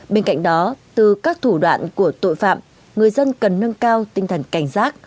bên cạnh đó từ các thủ đoạn của tội phạm người dân cần nâng cao tinh thần cảnh giác